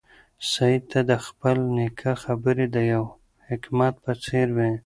سعید ته د خپل نیکه خبرې د یو حکمت په څېر وې.